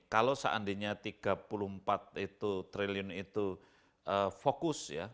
kalau seandainya tiga puluh empat itu triliun itu fokus ya